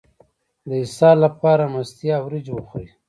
د اسهال لپاره مستې او وریجې وخورئ